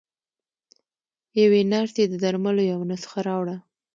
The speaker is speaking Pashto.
يوې نرسې د درملو يوه نسخه راوړه.